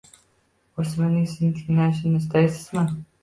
O‘smirning sizni tinglashini istaysizmi?